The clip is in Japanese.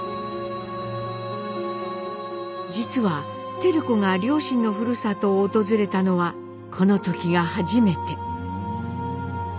実は照子が両親のふるさとを訪れたのはこの時が初めて。